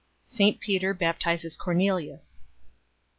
St Peter baptizes Cornelius.